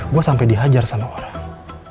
gue sampai dihajar sama orang